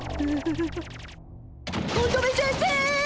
乙女先生！